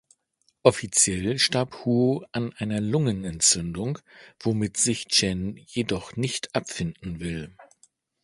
Offiziell starb Huo an einer Lungenentzündung, womit sich Chen jedoch nicht abfinden will.